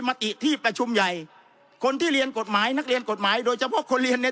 มติที่ประชุมใหญ่คนที่เรียนกฎหมายนักเรียนกฎหมายโดยเฉพาะคนเรียนเนี่ย